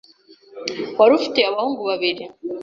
wari ufite abahungu babiri.